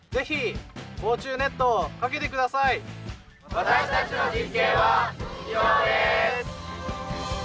私たちの実験は以上です！